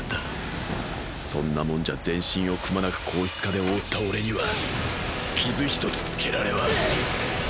そんなもんじゃ全身をくまなく硬質化で覆った俺には傷一つ付けられは。